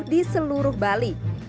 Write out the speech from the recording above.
di seluruh bali